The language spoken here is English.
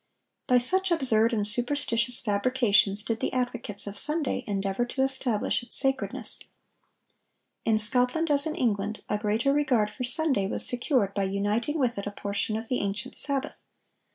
By such absurd and superstitious fabrications did the advocates of Sunday endeavor to establish its sacredness.(1012) In Scotland, as in England, a greater regard for Sunday was secured by uniting with it a portion of the ancient Sabbath.